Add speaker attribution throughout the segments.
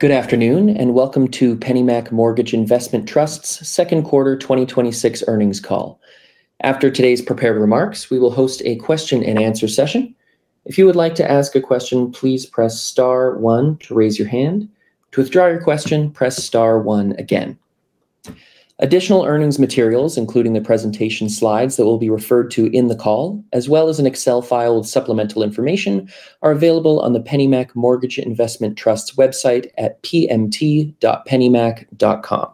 Speaker 1: Good afternoon, welcome to PennyMac Mortgage Investment Trust's second quarter 2026 earnings call. After today's prepared remarks, we will host a question-and-answer session. If you would like to ask a question, please press star one to raise your hand. To withdraw your question, press star one again. Additional earnings materials, including the presentation slides that will be referred to in the call, as well as an Excel file with supplemental information, are available on the PennyMac Mortgage Investment Trust's website at pmt.pennymac.com.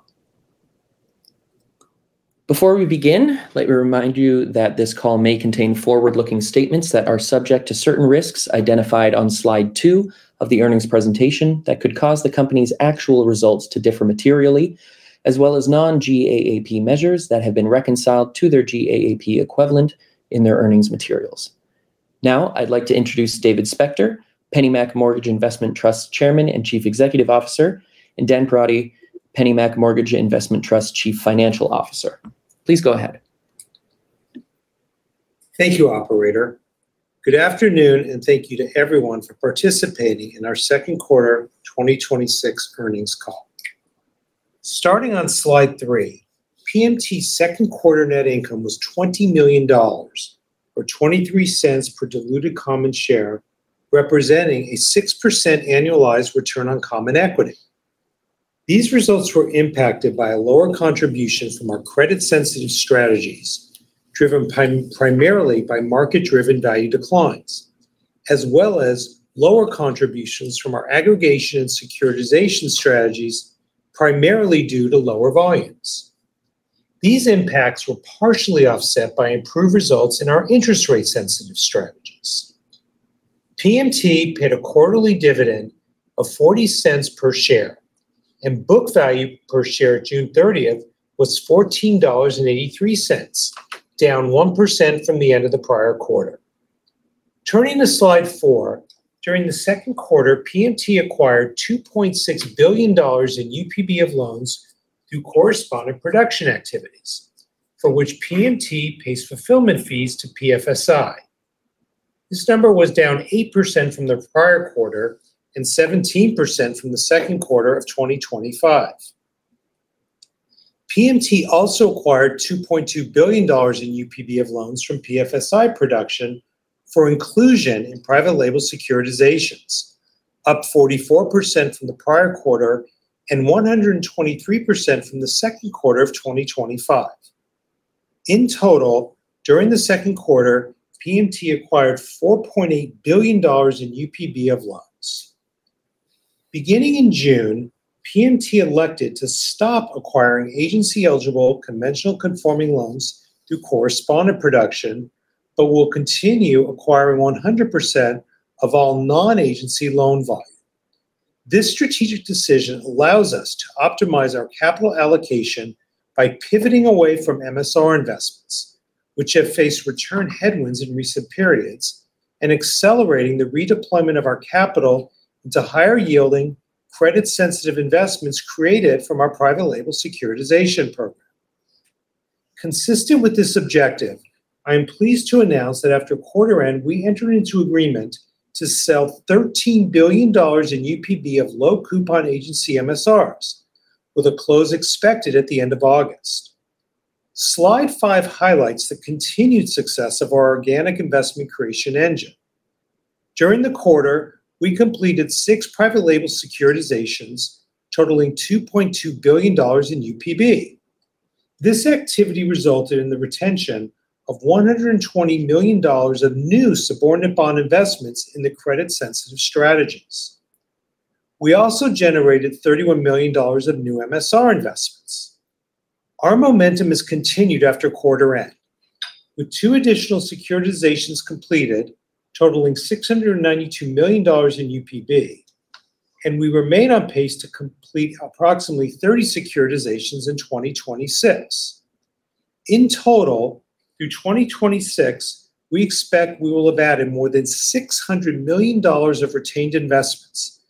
Speaker 1: Before we begin, let me remind you that this call may contain forward-looking statements that are subject to certain risks identified on slide two of the earnings presentation that could cause the company's actual results to differ materially, as well as non-GAAP measures that have been reconciled to their GAAP equivalent in their earnings materials. I'd like to introduce David Spector, PennyMac Mortgage Investment Trust chairman and chief executive officer, and Dan Perotti, PennyMac Mortgage Investment Trust chief financial officer. Please go ahead.
Speaker 2: Thank you, operator. Good afternoon, thank you to everyone for participating in our second quarter 2026 earnings call. Starting on slide three, PMT's second quarter net income was $20 million, or $0.23 per diluted common share, representing a 6% annualized return on common equity. These results were impacted by a lower contribution from our credit-sensitive strategies, driven primarily by market-driven value declines, as well as lower contributions from our aggregation and securitization strategies, primarily due to lower volumes. These impacts were partially offset by improved results in our interest rate sensitive strategies. PMT paid a quarterly dividend of $0.40 per share, and book value per share at June 30th was $14.83, down 1% from the end of the prior quarter. Turning to slide four, during the second quarter, PMT acquired $2.6 billion in UPB of loans through correspondent production activities for which PMT pays fulfillment fees to PFSI. This number was down 8% from the prior quarter and 17% from the second quarter of 2025. PMT also acquired $2.2 billion in UPB of loans from PFSI production for inclusion in private label securitizations, up 44% from the prior quarter and 123% from the second quarter of 2025. In total, during the second quarter, PMT acquired $4.8 billion in UPB of loans. Beginning in June, PMT elected to stop acquiring agency-eligible conventional conforming loans through correspondent production but will continue acquiring 100% of all non-agency loan volume. This strategic decision allows us to optimize our capital allocation by pivoting away from MSR investments, which have faced return headwinds in recent periods, and accelerating the redeployment of our capital into higher-yielding credit-sensitive investments created from our private label securitization program. Consistent with this objective, I am pleased to announce that after quarter end, we entered into agreement to sell $13 billion in UPB of low coupon agency MSRs with a close expected at the end of August. Slide five highlights the continued success of our organic investment creation engine. During the quarter, we completed six private label securitizations totaling $2.2 billion in UPB. This activity resulted in the retention of $120 million of new subordinate bond investments in the credit-sensitive strategies. We also generated $31 million of new MSR investments. Our momentum has continued after quarter end with two additional securitizations completed totaling $692 million in UPB. We remain on pace to complete approximately 30 securitizations in 2026. In total, through 2026, we expect we will have added more than $600 million of retained investments,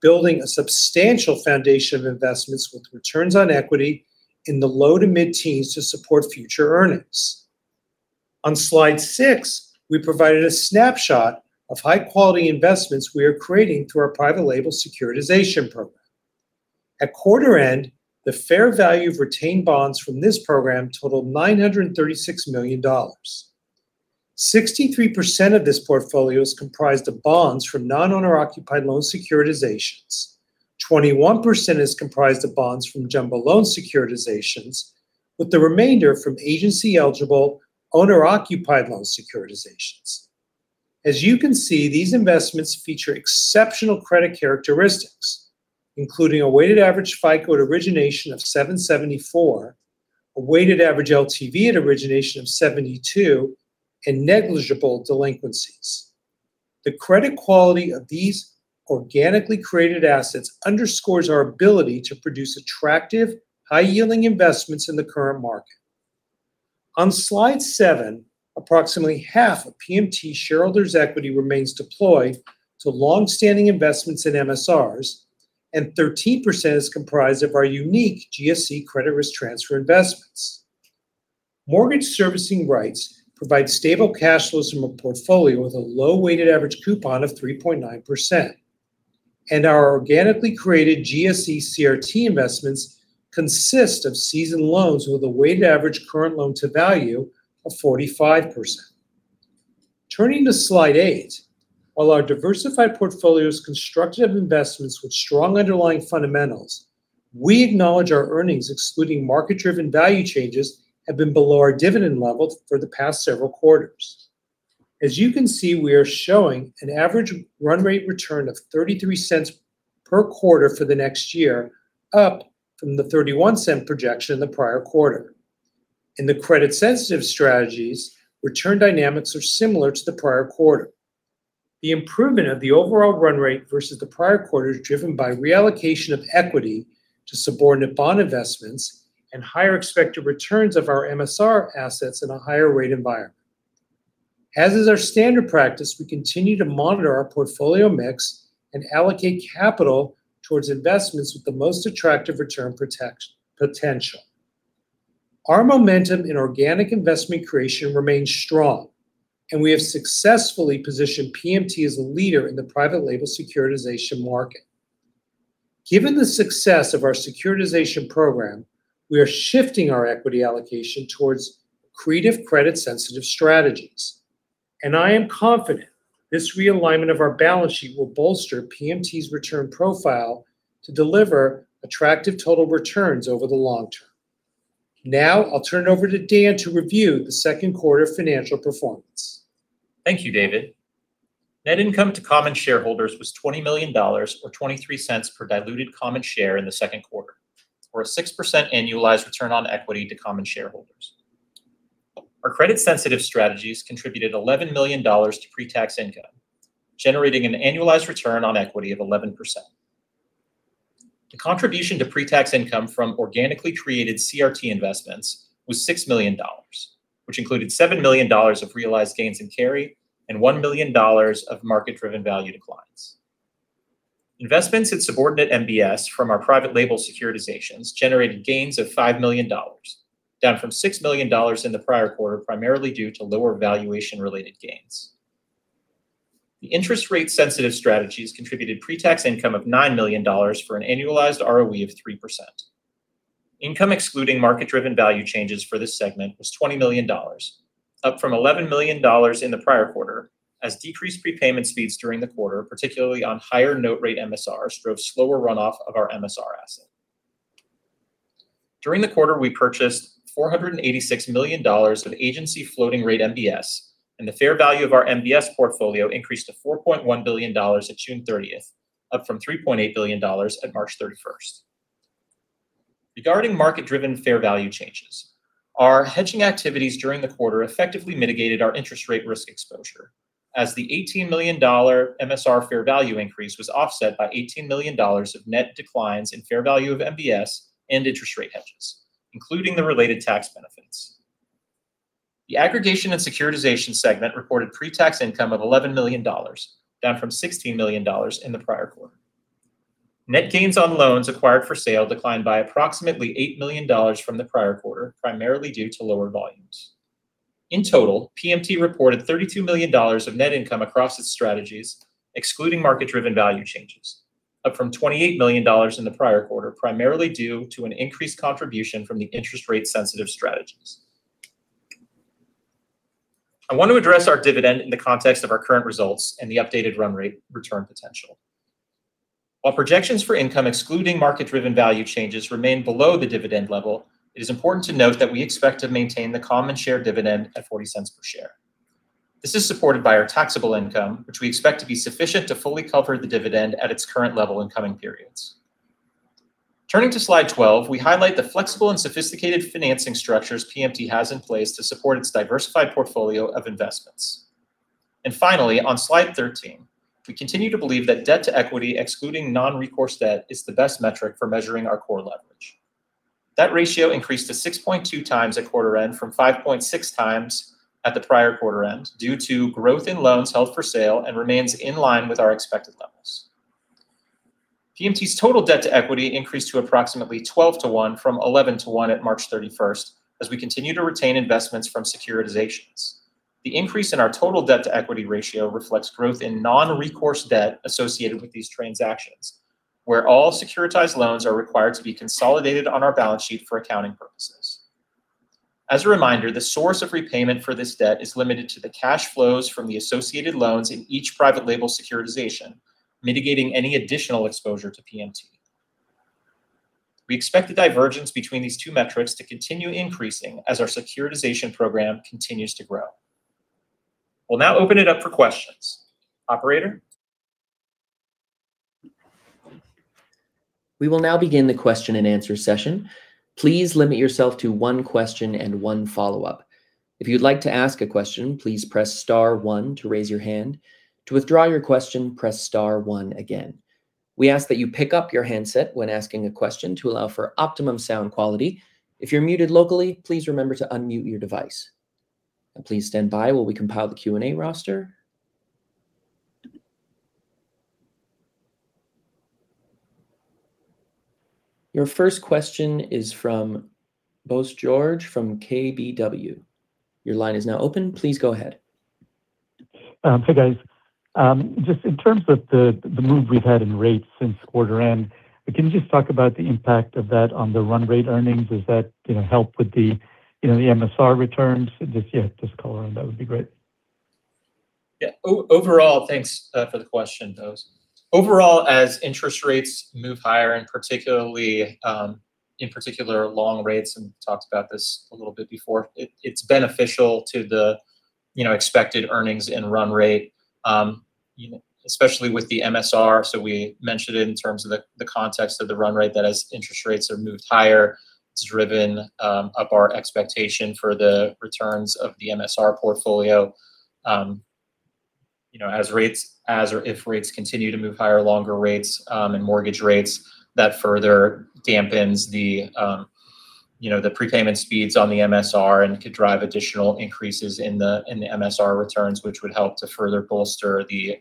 Speaker 2: building a substantial foundation of investments with returns on equity in the low to mid-teens to support future earnings. On slide six, we provided a snapshot of high-quality investments we are creating through our private label securitization program. At quarter end, the fair value of retained bonds from this program totaled $936 million. 63% of this portfolio is comprised of bonds from non-owner-occupied loan securitizations. 21% is comprised of bonds from jumbo loan securitizations, with the remainder from agency-eligible owner-occupied loan securitizations. As you can see, these investments feature exceptional credit characteristics, including a weighted average FICO at origination of 774, a weighted average LTV at origination of 72, and negligible delinquencies. The credit quality of these organically created assets underscores our ability to produce attractive, high-yielding investments in the current market. On slide seven, approximately half of PMT shareholders' equity remains deployed to longstanding investments in MSRs, and 13% is comprised of our unique GSE credit risk transfer investments. Mortgage servicing rights provide stable cash flows from a portfolio with a low weighted average coupon of 3.9%. Our organically created GSE CRT investments consist of seasoned loans with a weighted average current loan-to-value of 45%. Turning to slide eight, while our diversified portfolio is constructed of investments with strong underlying fundamentals, we acknowledge our earnings excluding market-driven value changes have been below our dividend levels for the past several quarters. As you can see, we are showing an average run rate return of $0.33 per quarter for the next year, up from the $0.31 projection in the prior quarter. In the credit-sensitive strategies, return dynamics are similar to the prior quarter. The improvement of the overall run rate versus the prior quarter is driven by reallocation of equity to subordinate bond investments and higher expected returns of our MSR assets in a higher rate environment. As is our standard practice, we continue to monitor our portfolio mix and allocate capital towards investments with the most attractive return potential. Our momentum in organic investment creation remains strong, and we have successfully positioned PMT as a leader in the private label securitization market. Given the success of our securitization program, we are shifting our equity allocation towards creative credit-sensitive strategies, and I am confident this realignment of our balance sheet will bolster PMT's return profile to deliver attractive total returns over the long term. Now, I'll turn it over to Dan to review the second quarter financial performance.
Speaker 3: Thank you, David. Net income to common shareholders was $20 million or $0.23 per diluted common share in the second quarter, or a 6% annualized return on equity to common shareholders. Our credit-sensitive strategies contributed $11 million to pre-tax income, generating an annualized return on equity of 11%. The contribution to pre-tax income from organically created CRT investments was $6 million, which included $7 million of realized gains in carry and $1 million of market-driven value declines. Investments in subordinate MBS from our private label securitizations generated gains of $5 million, down from $6 million in the prior quarter, primarily due to lower valuation-related gains. The interest-rate sensitive strategies contributed pre-tax income of $9 million for an annualized ROE of 3%. Income excluding market-driven value changes for this segment was $20 million, up from $11 million in the prior quarter, as decreased prepayment speeds during the quarter, particularly on higher note rate MSRs, drove slower runoff of our MSR asset. During the quarter, we purchased $486 million of agency floating-rate MBS, and the fair value of our MBS portfolio increased to $4.1 billion at June 30th, up from $3.8 billion at March 31st. Regarding market-driven fair value changes, our hedging activities during the quarter effectively mitigated our interest rate risk exposure as the $18 million MSR fair value increase was offset by $18 million of net declines in fair value of MBS and interest rate hedges, including the related tax benefits. The Aggregation and Securitization segment reported pre-tax income of $11 million, down from $16 million in the prior quarter. Net gains on loans acquired for sale declined by approximately $8 million from the prior quarter, primarily due to lower volumes. In total, PMT reported $32 million of net income across its strategies, excluding market-driven value changes, up from $28 million in the prior quarter, primarily due to an increased contribution from the interest rate-sensitive strategies. I want to address our dividend in the context of our current results and the updated run rate return potential. While projections for income excluding market-driven value changes remain below the dividend level, it is important to note that we expect to maintain the common share dividend at $0.40 per share. This is supported by our taxable income, which we expect to be sufficient to fully cover the dividend at its current level in coming periods. Turning to slide 12, we highlight the flexible and sophisticated financing structures PMT has in place to support its diversified portfolio of investments. Finally, on slide 13, we continue to believe that debt to equity, excluding non-recourse debt, is the best metric for measuring our core leverage. That ratio increased to 6.2x at quarter end from 5.6x at the prior quarter end due to growth in loans held for sale and remains in line with our expected levels. PMT's total debt to equity increased to approximately 12:1 from 11:1 at March 31st as we continue to retain investments from securitizations. The increase in our total debt-to-equity ratio reflects growth in non-recourse debt associated with these transactions where all securitized loans are required to be consolidated on our balance sheet for accounting purposes. As a reminder, the source of repayment for this debt is limited to the cash flows from the associated loans in each private label securitization, mitigating any additional exposure to PMT. We expect the divergence between these two metrics to continue increasing as our securitization program continues to grow. We'll now open it up for questions. Operator?
Speaker 1: We will now begin the question-and-answer session. Please limit yourself to one question and one follow-up. If you'd like to ask a question, please press star one to raise your hand. To withdraw your question, press star one again. We ask that you pick up your handset when asking a question to allow for optimum sound quality. If you're muted locally, please remember to unmute your device. Please stand by while we compile the Q&A roster. Your first question is from Bose George from KBW. Your line is now open. Please go ahead.
Speaker 4: Hi, guys. Just in terms of the move we've had in rates since quarter end, can you just talk about the impact of that on the run rate earnings? Does that help with the MSR returns? Just color on that would be great.
Speaker 3: Yeah. Thanks for the question, Bose. Overall, as interest rates move higher and in particular long rates, and we talked about this a little bit before, it's beneficial to the expected earnings in run rate, especially with the MSR. We mentioned it in terms of the context of the run rate that as interest rates have moved higher, it's driven up our expectation for the returns of the MSR portfolio. As or if rates continue to move higher, longer rates and mortgage rates, that further dampens the prepayment speeds on the MSR and could drive additional increases in the MSR returns which would help to further bolster the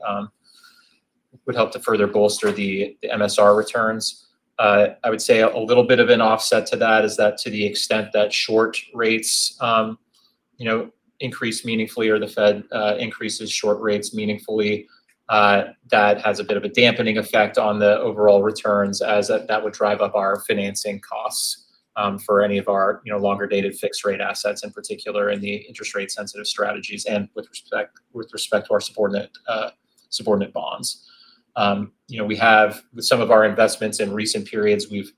Speaker 3: MSR returns. I would say a little bit of an offset to that is that to the extent that short rates increase meaningfully or the Fed increases short rates meaningfully, that has a bit of a dampening effect on the overall returns as that would drive up our financing costs for any of our longer-dated fixed rate assets, in particular in the interest rate sensitive strategies and with respect to our subordinate bonds. With some of our investments in recent periods, we've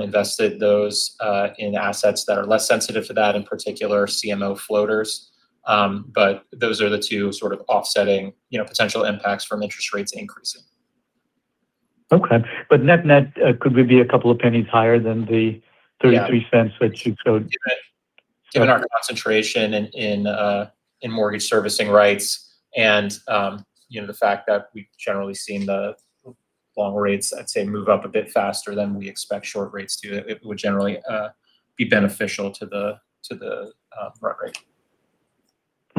Speaker 3: invested those in assets that are less sensitive to that, in particular CMO floaters. Those are the two sort of offsetting potential impacts from interest rates increasing.
Speaker 4: Okay. Net net could we be a couple of pennies higher than the-
Speaker 3: Yeah
Speaker 4: $0.33, which you code?
Speaker 3: Given our concentration in mortgage servicing rights and the fact that we've generally seen the long rates, I'd say, move up a bit faster than we expect short rates to, it would generally be beneficial to the run rate.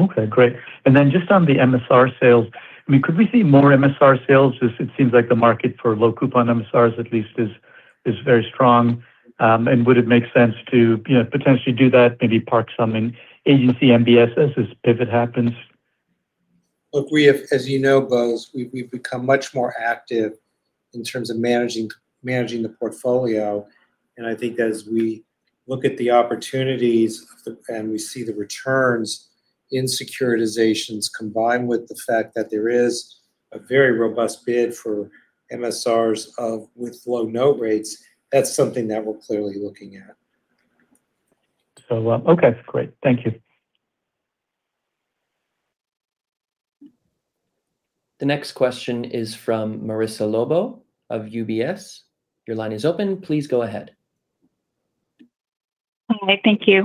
Speaker 4: Okay, great. Then just on the MSR sales, could we see more MSR sales? It seems like the market for low coupon MSRs at least is very strong. Would it make sense to potentially do that, maybe park some in agency MBS as this pivot happens?
Speaker 2: Look, as you know, Bose, we've become much more active in terms of managing the portfolio. I think as we look at the opportunities and we see the returns in securitizations combined with the fact that there is a very robust bid for MSRs with low note rates, that's something that we're clearly looking at.
Speaker 4: Okay, great. Thank you.
Speaker 1: The next question is from Marissa Lobo of UBS. Your line is open. Please go ahead.
Speaker 5: Okay, thank you.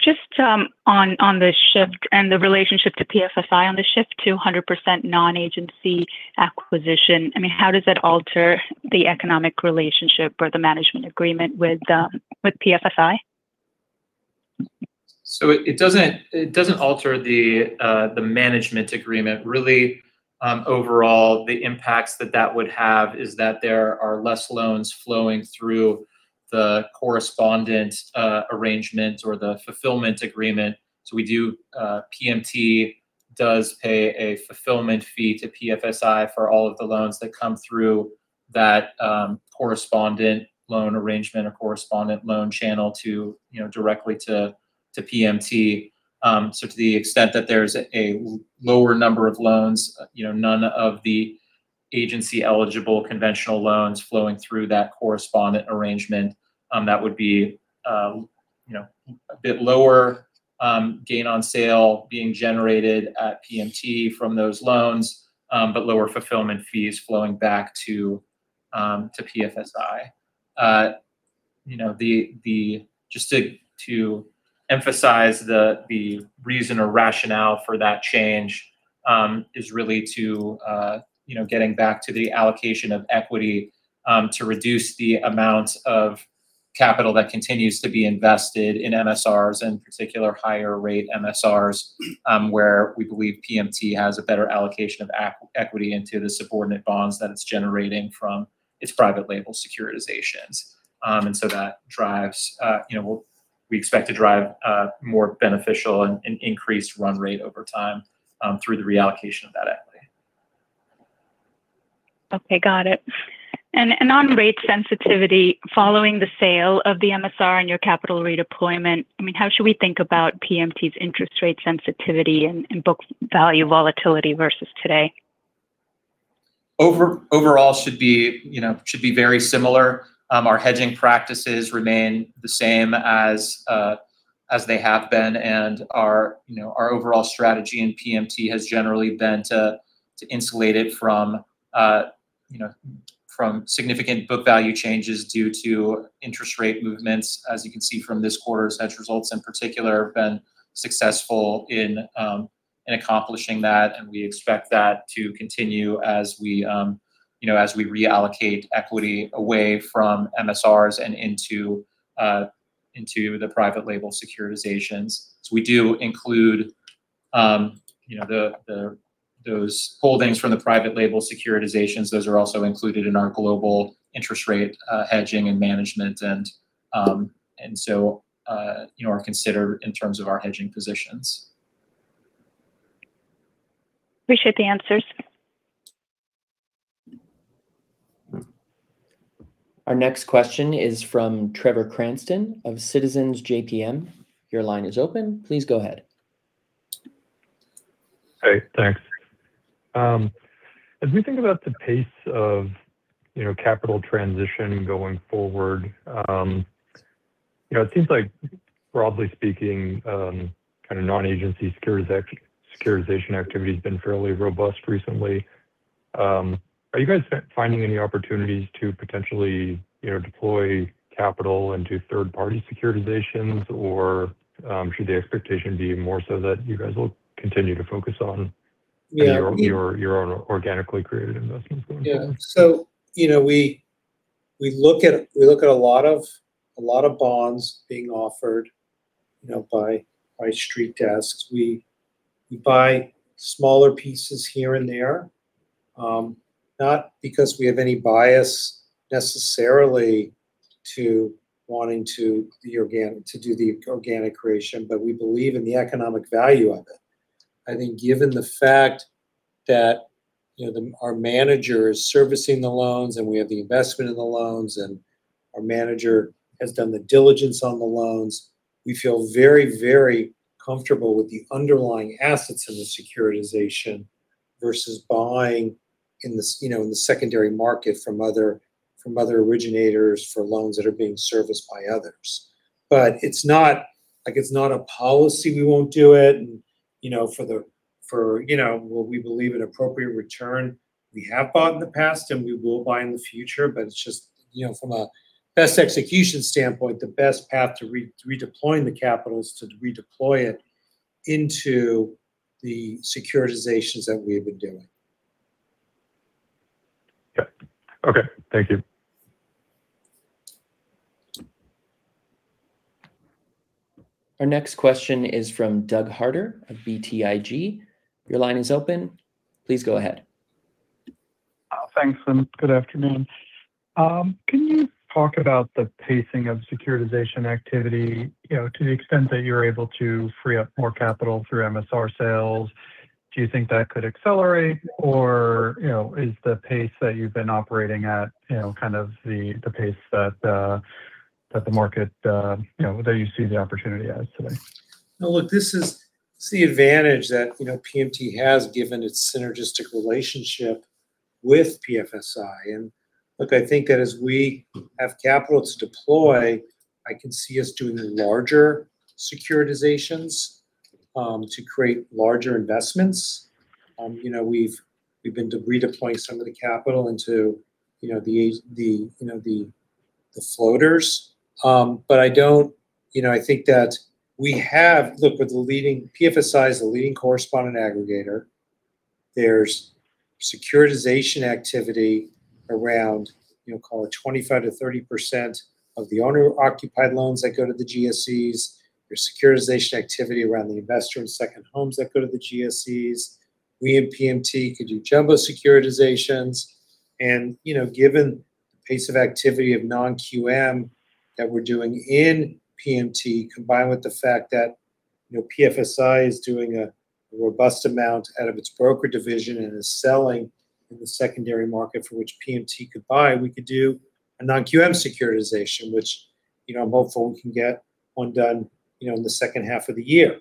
Speaker 5: Just on the shift and the relationship to PFSI on the shift to 100% non-agency acquisition, how does that alter the economic relationship or the management agreement with PFSI?
Speaker 3: It doesn't alter the management agreement really. Overall, the impacts that that would have is that there are less loans flowing through the correspondent arrangement or the fulfillment agreement. PMT does pay a fulfillment fee to PFSI for all of the loans that come through that correspondent loan arrangement or correspondent loan channel directly to PMT. To the extent that there's a lower number of loans, none of the agency eligible conventional loans flowing through that correspondent arrangement, that would be a bit lower gain on sale being generated at PMT from those loans. Lower fulfillment fees flowing back to PFSI. Just to emphasize the reason or rationale for that change is really to getting back to the allocation of equity to reduce the amount of capital that continues to be invested in MSRs, in particular higher rate MSRs, where we believe PMT has a better allocation of equity into the subordinate bonds that it's generating from its private label securitizations. That we expect to drive more beneficial and increased run rate over time through the reallocation of that equity.
Speaker 5: Okay, got it. On rate sensitivity, following the sale of the MSR and your capital redeployment, how should we think about PMT's interest rate sensitivity and book value volatility versus today?
Speaker 3: Overall should be very similar. Our hedging practices remain the same as they have been, our overall strategy in PMT has generally been to insulate it from significant book value changes due to interest rate movements. As you can see from this quarter's hedge results in particular, have been successful in accomplishing that, we expect that to continue as we reallocate equity away from MSRs and into the private label securitizations. Those holdings from the private label securitizations, those are also included in our global interest rate hedging and management, are considered in terms of our hedging positions.
Speaker 5: Appreciate the answers.
Speaker 1: Our next question is from Trevor Cranston of Citizens JMP. Your line is open. Please go ahead.
Speaker 6: Hey, thanks. As we think about the pace of capital transition going forward, it seems like, broadly speaking, kind of non-agency securitization activity has been fairly robust recently. Are you guys finding any opportunities to potentially deploy capital into third-party securitizations? Or should the expectation be more so that you guys will continue to focus on-
Speaker 2: Yeah
Speaker 6: your own organically created investments going forward?
Speaker 2: Yeah. We look at a lot of bonds being offered by street desks. We buy smaller pieces here and there, not because we have any bias necessarily to wanting to do the organic creation, but we believe in the economic value of it. I think given the fact that our manager is servicing the loans, and we have the investment in the loans, and our manager has done the diligence on the loans, we feel very, very comfortable with the underlying assets in the securitization versus buying in the secondary market from other originators for loans that are being serviced by others. It's not a policy we won't do it. For what we believe an appropriate return, we have bought in the past, and we will buy in the future, it's just from a best execution standpoint, the best path to redeploying the capital is to redeploy it into the securitizations that we have been doing.
Speaker 6: Okay. Thank you.
Speaker 1: Our next question is from Doug Harter of BTIG. Your line is open. Please go ahead.
Speaker 7: Thanks. Good afternoon. Can you talk about the pacing of securitization activity? To the extent that you're able to free up more capital through MSR sales, do you think that could accelerate? Or is the pace that you've been operating at kind of the pace that the market, that you see the opportunity as today?
Speaker 2: Look, this is the advantage that PMT has given its synergistic relationship with PFSI. Look, I think that as we have capital to deploy, I can see us doing larger securitizations to create larger investments. We've been redeploying some of the capital into the floaters. I think that we have. Look, PFSI is the leading correspondent aggregator. There's securitization activity around call it 25%-30% of the owner-occupied loans that go to the GSEs. There's securitization activity around the investor and second homes that go to the GSEs. We at PMT could do jumbo securitizations. Given the pace of activity of non-QM that we're doing in PMT, combined with the fact that PFSI is doing a robust amount out of its broker division and is selling in the secondary market for which PMT could buy, we could do a non-QM securitization, which I'm hopeful we can get one done in the second half of the year.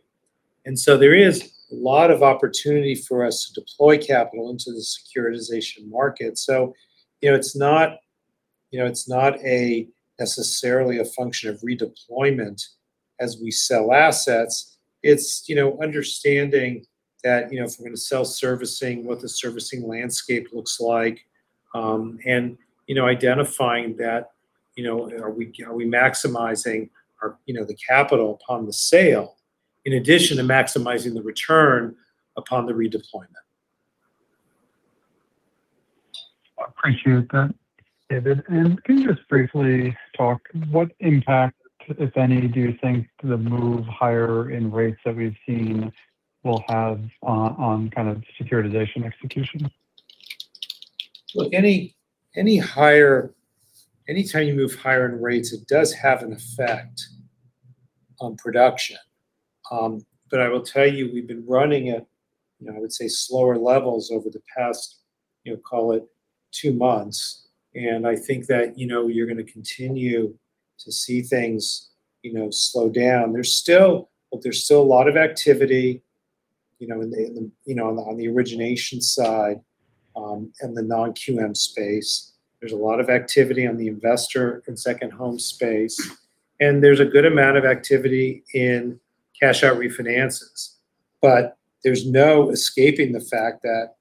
Speaker 2: There is a lot of opportunity for us to deploy capital into the securitization market. It's not necessarily a function of redeployment as we sell assets. It's understanding that if we're going to sell servicing, what the servicing landscape looks like, and identifying that are we maximizing the capital upon the sale in addition to maximizing the return upon the redeployment.
Speaker 7: I appreciate that, David. Can you just briefly talk what impact, if any, do you think the move higher in rates that we've seen will have on securitization execution?
Speaker 2: Look, any time you move higher in rates, it does have an effect on production. I will tell you, we've been running at, I would say, slower levels over the past call it two months, and I think that you're going to continue to see things slow down. There's still a lot of activity on the origination side in the non-QM space. There's a lot of activity on the investor and second home space, and there's a good amount of activity in cash out refinances. There's no escaping the fact that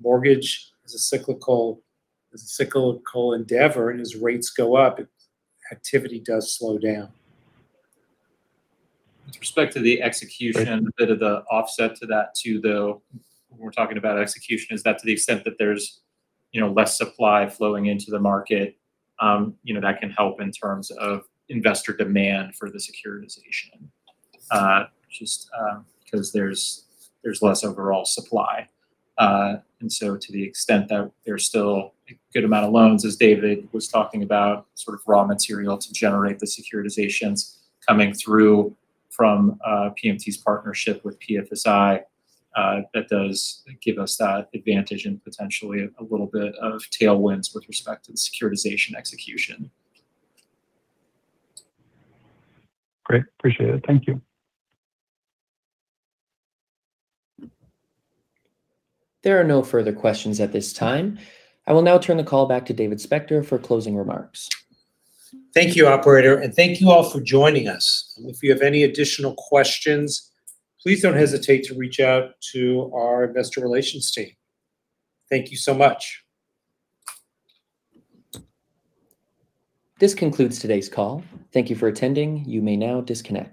Speaker 2: mortgage is a cyclical endeavor, and as rates go up, activity does slow down.
Speaker 3: With respect to the execution, a bit of the offset to that, too, though, when we're talking about execution, is that to the extent that there's less supply flowing into the market, that can help in terms of investor demand for the securitization. Just because there's less overall supply. To the extent that there's still a good amount of loans, as David was talking about, sort of raw material to generate the securitizations coming through from PMT's partnership with PFSI, that does give us that advantage and potentially a little bit of tailwinds with respect to the securitization execution.
Speaker 7: Great. Appreciate it. Thank you.
Speaker 1: There are no further questions at this time. I will now turn the call back to David Spector for closing remarks.
Speaker 2: Thank you, operator, and thank you all for joining us. If you have any additional questions, please don't hesitate to reach out to our Investor Relations team. Thank you so much.
Speaker 1: This concludes today's call. Thank you for attending. You may now disconnect.